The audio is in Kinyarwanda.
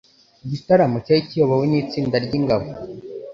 Igitaramo cyari kiyobowe nitsinda ryingabo.